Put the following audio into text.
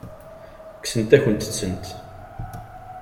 Kksent-akent-tent.